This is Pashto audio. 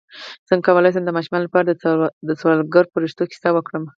څنګه کولی شم د ماشومانو لپاره د سوالګرو فرښتو کیسه وکړم